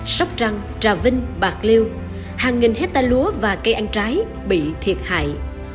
sóc trăng trà vinh bạc liêu hàng nghìn hectare lúa và cây ăn trái bị thiệt hại